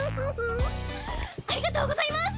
ありがとうございます！